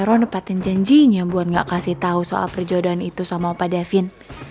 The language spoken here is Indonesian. ternyata vero nepatin janjinya buat gak kasih tau soal perjodohan itu sama opa davin